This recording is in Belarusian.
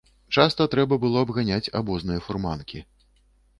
Часта трэба было абганяць абозныя фурманкі.